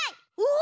お！